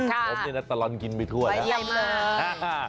ผมเนี่ยนะตลอนกินไปทั่วนะ